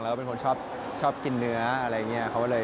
แล้วก็เป็นคนชอบกินเนื้ออะไรอย่างนี้